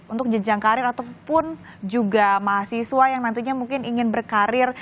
untuk jenjang karir ataupun juga mahasiswa yang nantinya mungkin ingin berkarir